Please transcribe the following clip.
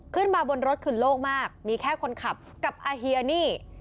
ขึ้นมาบนรถคือโล่งมากมีแค่คนขับกับอาเฮียนี่